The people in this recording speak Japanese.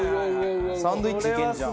サンドイッチいけるじゃん。